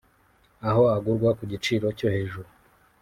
aho agurwa ku giciro cyo hejuru